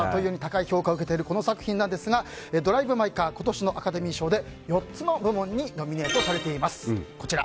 高い評価を受けているこの作品なんですが「ドライブ・マイ・カー」今年のアカデミー賞で４つの部門にノミネートされています。